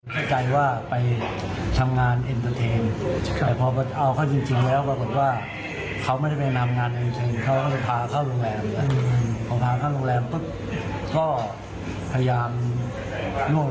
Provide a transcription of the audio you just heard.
บ้านไปบางลิงก็จะจัดการบ้าน